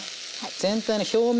全体の表面